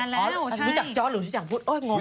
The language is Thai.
รู้จักจอร์ทหรือรู้จักพุทธโอ้ยงง